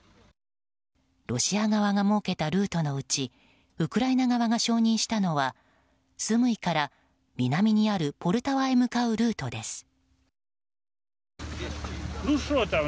ロシア側が設けたルートのうちウクライナ側が承認したのはスムイから南にあるポルタワへ向かうルートです。